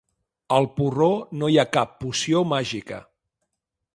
Al porró no hi ha cap poció màgica.